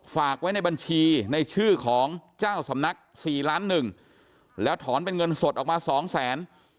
ฝากไว้ในบัญชีในชื่อของเจ้าสำนักสี่ล้านหนึ่งแล้วถอนเป็นเงินสดออกมาสองแสน